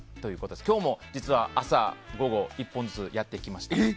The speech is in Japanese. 今日も実は朝、午後１本ずつやってきました。